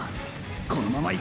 このままいく！！